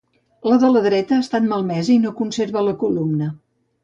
La de la dreta ha estat malmesa i no conserva la columna.